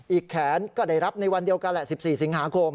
อีกแขนก็ได้รับในวันเดียวกันแหละ๑๔สิงหาคม